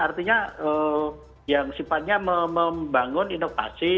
artinya yang sifatnya membangun inovasi